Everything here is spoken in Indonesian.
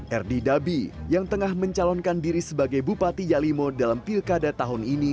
erdi dabi yang tengah mencalonkan diri sebagai bupati yalimo dalam pilkada tahun ini